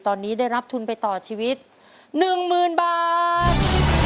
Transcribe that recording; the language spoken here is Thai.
ตอนนี้ได้รับทุนไปต่อชีวิต๑๐๐๐บาท